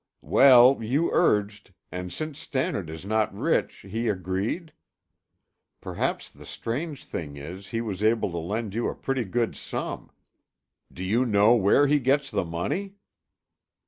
"Well, you urged, and since Stannard is not rich, he agreed? Perhaps the strange thing is, he was able to lend you a pretty good sum. Do you know where he gets the money?"